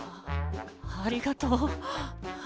ありがとう。